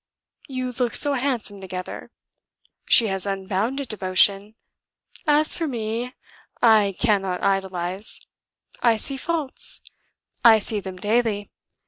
You look so handsome together! She has unbounded devotion! as for me, I cannot idolize. I see faults: I see them daily.